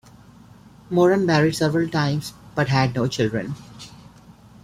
Moran married several times but had no children.